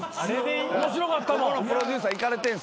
面白かったもん。